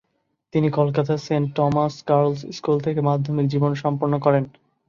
তিনি কলকাতার Saint Thomas girls school থেকে মাধ্যমিক জীবন সম্পন্ন করেন।